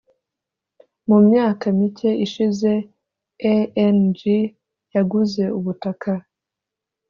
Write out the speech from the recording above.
mumyaka mike ishize a.n.g yaguze ubutaka